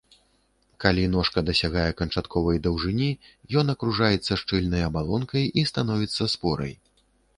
Калі ножка дасягае канчатковай даўжыні, ён акружаецца шчыльнай абалонкай і становіцца спорай.